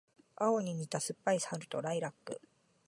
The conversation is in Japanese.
青に似た酸っぱい春とライラック